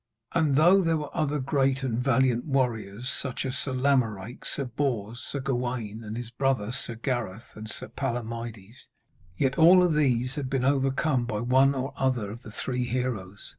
And though there Were other great and valiant warriors, as Sir Lamorake, Sir Bors, Sir Gawaine and his brother, Sir Gareth, and Sir Palomides, yet all these had been overcome by one or other of the three heroes.